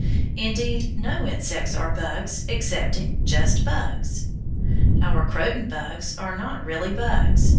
Indeed, no insects are bugs excepting just bugs! Our croton bugs are not really bugs.